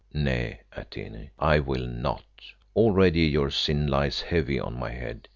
Nay, Atene, I will not; already your sin lies heavy on my head.